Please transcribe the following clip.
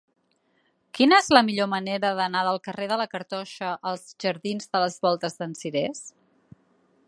Quina és la millor manera d'anar del carrer de la Cartoixa als jardins de les Voltes d'en Cirés?